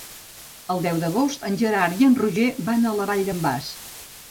El deu d'agost en Gerard i en Roger van a la Vall d'en Bas.